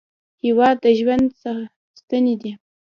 هېواد د ژوند ستنې دي.